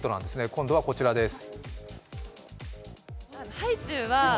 今度はこちらです。